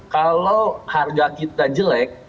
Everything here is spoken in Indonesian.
kalau harga kita jelek